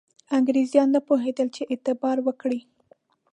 انګرېزان نه پوهېدل چې اعتبار وکړي.